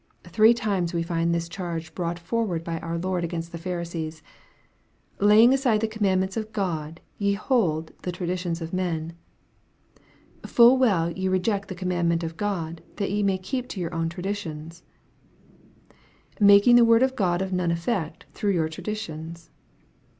Three times we find this charge brought forward by our Lord against the Pharisees. " Laying aside the commandments of God, ye hold the traditions of men." " Full well ye reject the command ment of God, that ye may keep your own traditions." " Making the Word of God of none effect through your traditions."